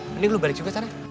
mending lo balik juga sana